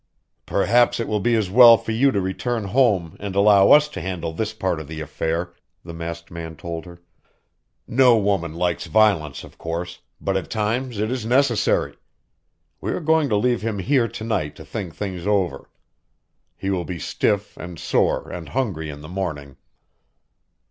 "Perhaps it will be as well for you to return home and allow us to handle this part of the affair," the masked man told her. "No woman likes violence, of course, but at times it is necessary. We are going to leave him here to night to think things over. He will be stiff and sore and hungry in the morning."